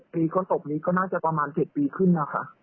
๖ปีเขาศพนี้ก็น่าจะประมาณ๗ปีขึ้นนะคะ